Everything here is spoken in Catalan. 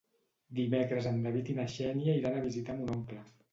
Dimecres en David i na Xènia iran a visitar mon oncle.